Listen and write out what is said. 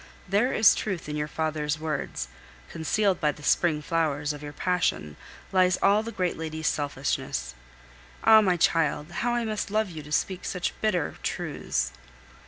There is truth in your father's words; concealed by the spring flowers of your passion lies all the great lady's selfishness. Ah! my child, how I must love you to speak such bitter truths!